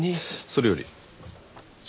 それより。